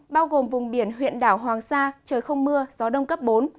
bao gồm vùng biển huyện đảo hoàng sa trời không mưa gió đông cấp bốn